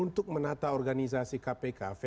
untuk menata organisasi kpk versi undang undang itu